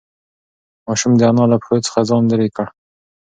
ماشوم د انا له پښو څخه ځان لیرې کړ.